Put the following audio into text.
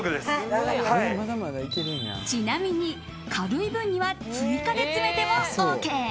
ちなみに軽い分には追加で詰めてもＯＫ。